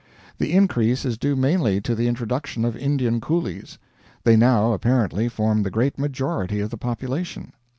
The increase is due mainly to the introduction of Indian coolies. They now apparently form the great majority of the population.